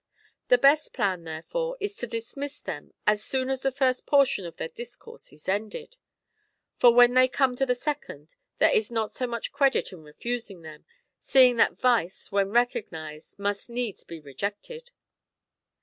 The best plan, therefore, is to dismiss them as soon as the first portion of their discourse is ended; for when they come to the second, there is not so much credit in refusing them, seeing that vice when recog nised must needs be rejected."